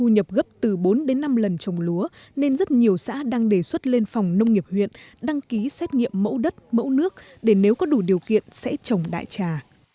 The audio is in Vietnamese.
thu nhập gấp từ bốn đến năm lần trồng lúa nên rất nhiều xã đang đề xuất lên phòng nông nghiệp huyện đăng ký xét nghiệm mẫu đất mẫu nước để nếu có đủ điều kiện sẽ trồng đại trà